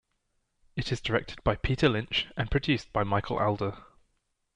It is directed by Peter Lynch and produced by Michael Allder.